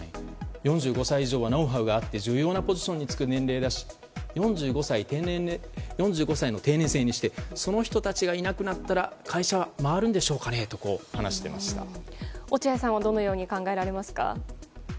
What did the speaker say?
４５歳以上はノウハウがあって重要なポジションにつく年齢だし４５歳の定年制にしてその人たちがいなくなったら会社は回るんでしょうかねと落合さんはどのように考えられますか？